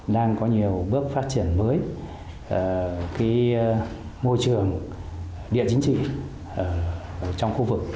đang có nhiều bước phát triển mới môi trường địa chính trị trong khu vực